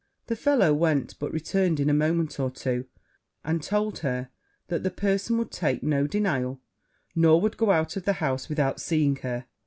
The fellow went; but returned in a moment or two, and told her that the person would take no denial, nor would go out of the house without seeing her.